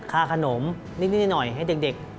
ค่าขนมนิดหน่อยให้เด็ก